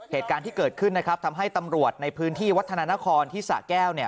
เหตุการณ์ที่เกิดขึ้นนะครับทำให้ตำรวจในพื้นที่วัฒนานครที่สะแก้วเนี่ย